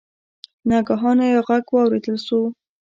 ناګهانه یو غږ واوریدل شو.